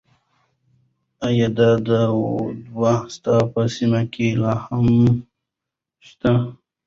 ایا دا دود ستاسو په سیمه کې لا هم شته؟